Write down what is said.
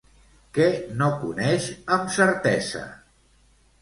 Què no coneix amb certesa?